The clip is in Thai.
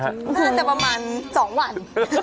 น่าจะประมาณ๒วัน